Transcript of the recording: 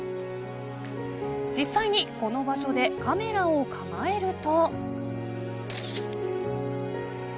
実際に、この場所でカメラを構えると。